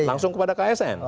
langsung kepada ksn